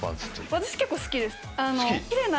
私結構好きです。